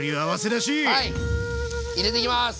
入れていきます。